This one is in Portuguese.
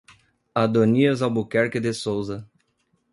Adonias Albuquerque de Souza